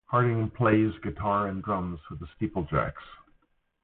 Harding plays guitar and drums with the Steeplejacks.